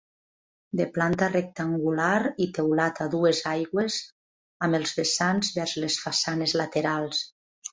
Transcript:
De planta rectangular i teulat a dues aigües, amb els vessants vers les façanes laterals.